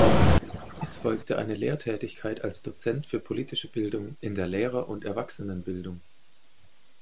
Es folgte eine Lehrtätigkeit als Dozent für Politische Bildung in der Lehrer- und Erwachsenenbildung.